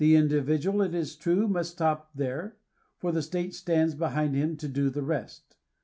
The individual, it is true, must stop there, for the state stands behind him to do the rest.